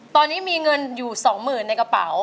ตอนนี้มีเงินอยู่สองหมื่นในกระเป๋า